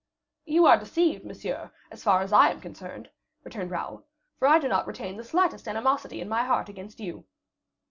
"You are deceived, monsieur, as far as I am concerned," returned Raoul; "for I do not retain the slightest animosity in my heart against you."